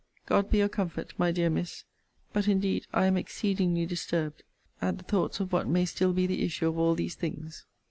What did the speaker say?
God be your comfort, my dear Miss! But indeed I am exceedingly disturbed at the thoughts of what may still be the issue of all these things.